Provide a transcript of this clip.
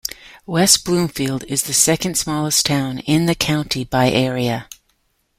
West Bloomfield is the second smallest town in the county by area.